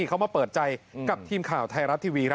เขามาเปิดใจกับทีมข่าวไทยรัฐทีวี